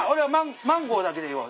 マンゴーだけでええわ